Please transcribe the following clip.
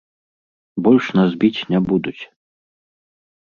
Больш нас біць не будуць!